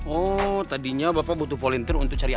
oh tadinya bapak butuh polentun untuk cari air